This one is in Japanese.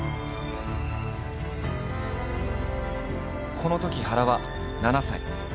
このとき原は７歳。